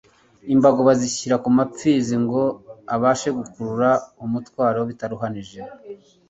Imbago bazishyira ku mapfizi ngo abashe gukurura umutwaro bitaruhanije.